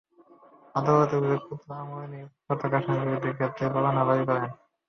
আদালত অভিযোগপত্র আমলে নিয়ে পলাতক আসামিদের বিরুদ্ধে গ্রেপ্তারি পরোয়ানা জারি করেন।